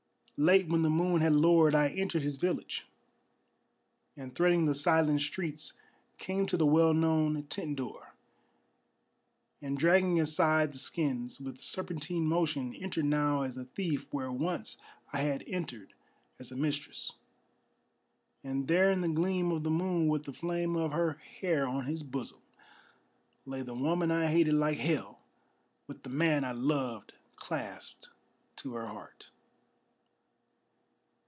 Late, when the moon had lowered, I entered his village, And threading the silent streets came to the well known tent door, And, dragging aside the skins, with serpentine motion Entered now as a thief where once I had entered as mistress. And there in the gleam of the moon, with the flame of her hair on his bosom, Lay the woman I hated like hell with the man I loved clasped to her heart.